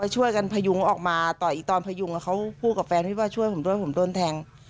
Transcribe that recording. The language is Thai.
ช่วยกันพยุงออกมาต่อยอีกตอนพยุงเขาพูดกับแฟนพี่ว่าช่วยผมด้วยผมโดนแทง